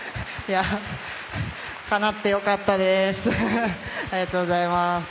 かなって良かったです。